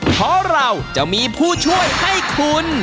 เพราะเราจะมีผู้ช่วยให้คุณ